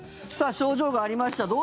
さあ、症状がありました。